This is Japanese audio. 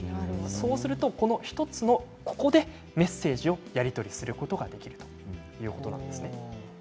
そうすると、１つのここでメッセージをやり取りすることができるということなんですね。